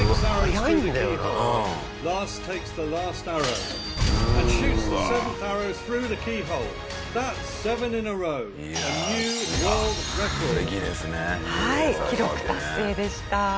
記録達成でした。